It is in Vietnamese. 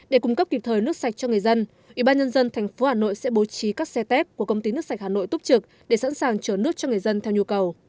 để cung cấp kịp thời nước sạch cho người dân ủy ban nhân dân tp hà nội sẽ bố trí các xe tép của công ty nước sạch hà nội túc trực để sẵn sàng chở nước cho người dân theo nhu cầu